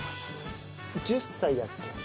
１０歳だっけ？